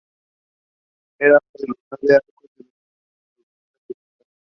Era uno de Los Nueve Arcos, los enemigos tradicionales de Egipto.